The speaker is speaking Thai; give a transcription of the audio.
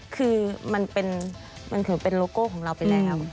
คือมันถือเป็นโลโก้ของเราไปแล้ว